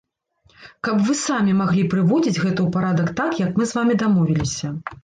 Каб вы самі маглі прыводзіць гэта ў парадак так, як мы з вамі дамовіліся.